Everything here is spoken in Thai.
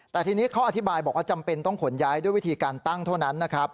แต่ทีนี้เขาอธิบายบอกว่าจำเป็นต้องขนย้ายด้วยวิธีการตั้งเท่านั้นนะครับ